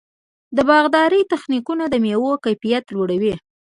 د باغدارۍ تخنیکونه د مېوو کیفیت لوړوي.